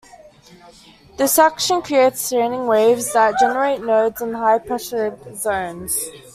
This action creates standing waves that generate nodes and high pressure zones.